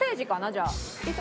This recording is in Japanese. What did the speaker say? じゃあ。